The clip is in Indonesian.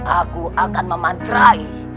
aku akan memantrai